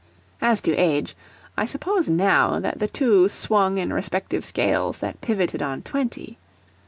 (As to age, I suppose now that the two swung in respective scales that pivoted on twenty.